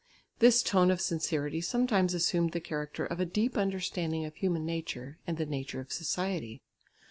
This tone of sincerity sometimes assumed the character of a deep understanding of human nature and the nature of society.